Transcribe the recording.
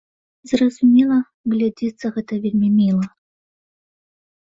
Зразумела, глядзіцца гэта вельмі міла.